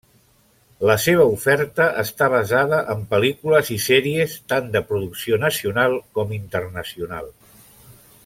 La seva oferta està basada en pel·lícules i sèries, tant de producció nacional com internacional.